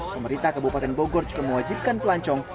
pemerintah kabupaten bogor juga mewajibkan pelancong